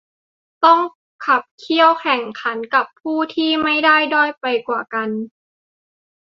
ต้องขับเคี่ยวแข่งขันกับผู้ที่ไม่ได้ด้อยไปกว่ากัน